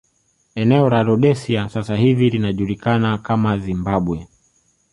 Eneo la Rhodesia sasa hivi ikijulikana kama Zimbabwe